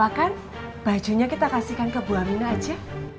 apa kan bajunya kita kasihkan ke bu amina aja